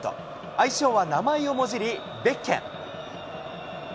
愛称は名前をもじり、ベッケン。